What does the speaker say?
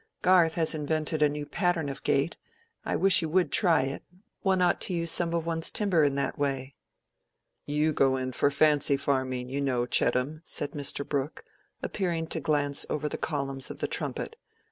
Garth has invented a new pattern of gate—I wish you would try it. One ought to use some of one's timber in that way." "You go in for fancy farming, you know, Chettam," said Mr. Brooke, appearing to glance over the columns of the "Trumpet."